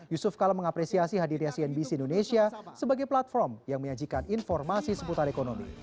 yusuf kala mengapresiasi hadirnya cnbc indonesia sebagai platform yang menyajikan informasi seputar ekonomi